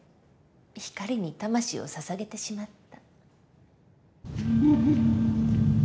光に魂をささげてしまった。